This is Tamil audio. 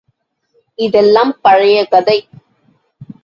இதெல்லாம் பழைய கதை.